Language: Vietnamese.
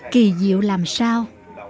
kỳ diệu làm sao